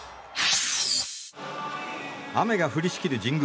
雨が降りしきる神宮。